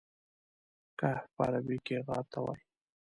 کهف په عربي کې غار ته وایي.